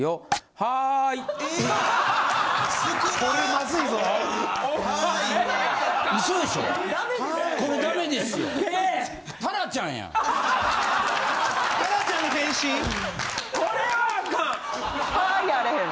「はい」やあれへん。